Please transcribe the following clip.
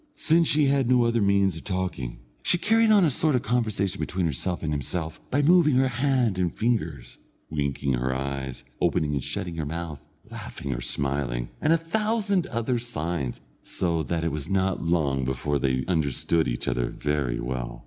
Since she had no other means of talking, she carried on a sort of conversation between herself and himself, by moving her hand and fingers, winking her eyes, opening and shutting her mouth, laughing or smiling, and a thousand other signs, so that it was not long until they understood each other very well.